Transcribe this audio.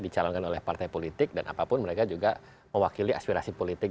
dicalonkan oleh partai politik dan apapun mereka juga mewakili aspirasi politik